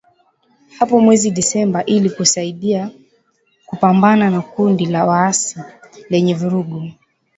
hapo mwezi Disemba ili kusaidia kupambana na kundi la waasi lenye vurugu